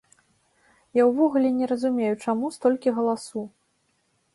Я ўвогуле не разумею, чаму столькі галасу?